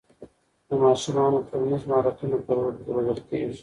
د ماشومانو ټولنیز مهارتونه په لوبو کې روزل کېږي.